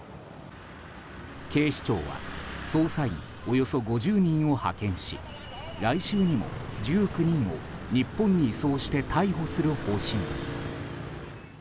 警視庁は捜査員およそ５０人を派遣し来週にも１９人を、日本に移送して逮捕する方針です。